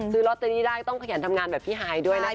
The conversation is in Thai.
ซื้อลอตเตอรี่ได้ต้องขยันทำงานแบบพี่ฮายด้วยนะคะ